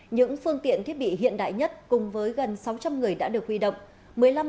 những phương tiện thiết bị hiện đại nhất cùng với gần sáu trăm linh người đã được huy động